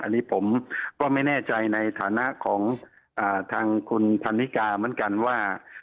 อันนี้ผมก็ไม่แน่ใจในฐานะของทางคุณพันนิกาเหมือนกันว่า